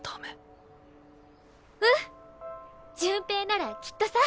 うん潤平ならきっとさ。